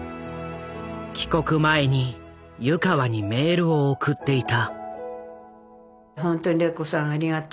帰国前に湯川にメールを送っていた。